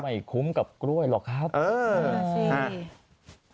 ไม่คุ้มกับกล้วยหรอกครับเออสิ